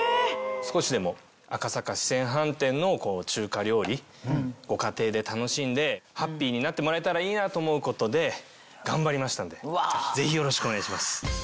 少しでも赤坂四川飯店の中華料理ご家庭で楽しんでハッピーになってもらえたらいいなと思うことで頑張りましたのでぜひよろしくお願いします。